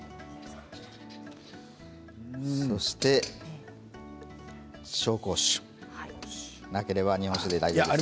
そして紹興酒なければ日本酒で大丈夫です。